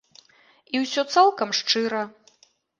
І ўсё цалкам шчыра.